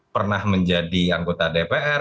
pernah menjadi anggota dpr